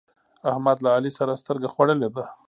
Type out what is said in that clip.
احمد له علي سره سترګه خوړلې ده.